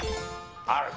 ある。